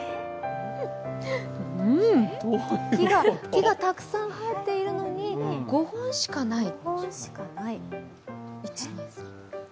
木がたくさん生えているのに、５本しかない。